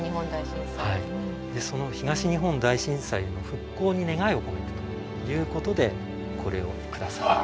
その東日本大震災の復興に願いを込めてということでこれを下さった。